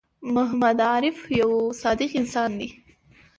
محمد عارف یوه صادق انسان دی